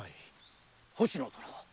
星野殿。